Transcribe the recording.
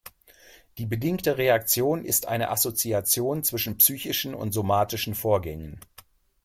Die bedingte Reaktion ist eine Assoziation zwischen psychischen und somatischen Vorgängen.